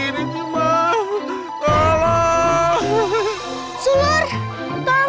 gimana tuh mam